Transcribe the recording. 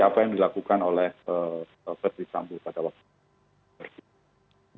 apa yang dilakukan oleh ferdi sambo pada waktu itu